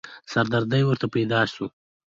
سردردې ورته پيدا شوه.